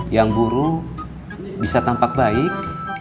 yang buruk bisa tampak baik